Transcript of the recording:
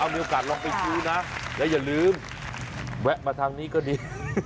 มีโอกาสลองไปซื้อนะและอย่าลืมแวะมาทางนี้ก็ดี